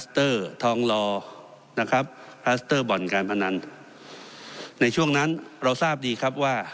เตอร์ทองลอนะครับลัสเตอร์บ่อนการพนันในช่วงนั้นเราทราบดีครับว่า